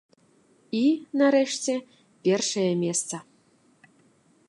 І, нарэшце, першае месца.